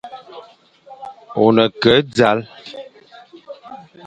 Ô ne ke e zal,